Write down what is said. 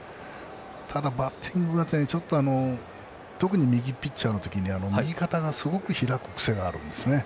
ただ、バッティングが特に右ピッチャーの時に右肩がすごく開く癖があるんです。